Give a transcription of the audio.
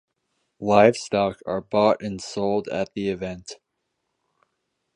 Livestock are bought and sold at the event.